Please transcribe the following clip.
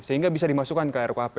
sehingga bisa dimasukkan ke rkuhp